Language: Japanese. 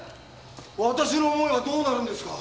私の思いはどうなるんですか？